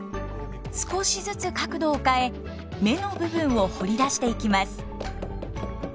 少しずつ角度を変え目の部分を彫り出していきます。